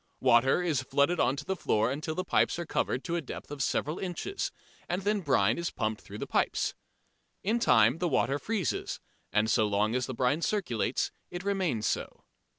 Water is flooded on to the floor until the pipes are covered to a depth of several inches, and then brine is pumped through the pipes. In time the water freezes, and so long as the brine circulates it remains so.